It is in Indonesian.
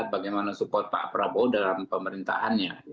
bagaimana support pak prabowo dalam pemerintahannya